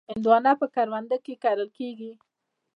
هندوانه په کرونده کې کرل کېږي.